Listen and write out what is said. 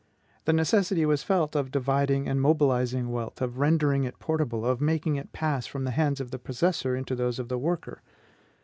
The necessity was felt of dividing and mobilizing wealth, of rendering it portable, of making it pass from the hands of the possessor into those of the worker.